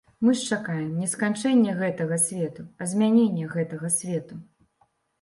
Мы ж чакаем не сканчэння гэтага свету, а змянення гэтага свету.